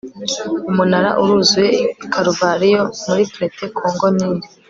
umunara uruzuye i karuvariyo muri crete congo-nil